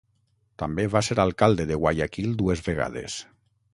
També va ser alcalde de Guayaquil dues vegades.